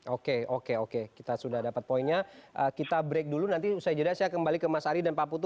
oke oke oke kita sudah dapat poinnya kita break dulu nanti usai jeda saya kembali ke mas ari dan pak putu